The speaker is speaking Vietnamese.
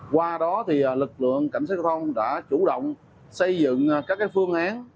qua đó lực lượng cảnh sát giao thông đã chủ động xây dựng các phương án